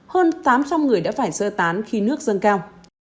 hơn tám trăm linh người đã phải sơ tán khi nước dâng cao